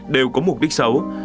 đều có mục đích xấu